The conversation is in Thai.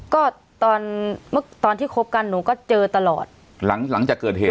ก็ตอนเมื่อตอนที่คบกันหนูก็เจอตลอดหลังจากเกิดเหตุ